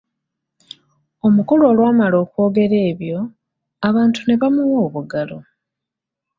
Omukulu olwamala okwogera ebyo, abantu ne bamuwa obugalo.